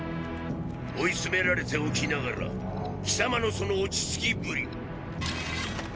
追いつめられておきながら貴様のその落ち着きぶり。